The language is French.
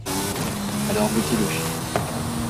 Alors votez-le